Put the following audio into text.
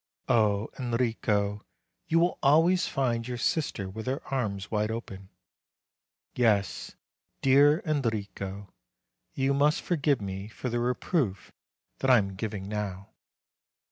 O Enrico, you will always find your sister with her arms wide open. Yes, dear Enrico ; and you must forgive me for the reproof I am giving now.